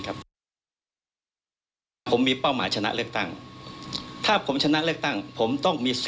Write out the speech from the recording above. แต่พอจะเป็นถึงการก์มงไหน